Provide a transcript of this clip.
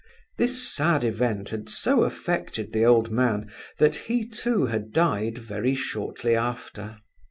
This sad event had so affected the old man that he, too, had died very shortly after.